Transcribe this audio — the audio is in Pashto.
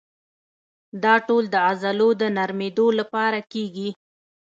دا ټول د عضلو د نرمېدو لپاره کېږي.